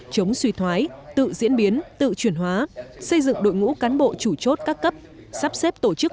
chống suy thoái tự diễn biến tự chuyển hóa xây dựng đội ngũ cán bộ chủ chốt các cấp